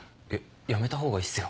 やめたほうがいいっすよ。